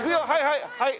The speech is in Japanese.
はいはい！